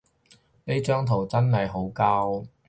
呢張圖真係好膠